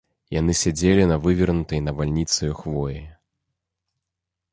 Яны сядзелі на вывернутай навальніцаю хвоі.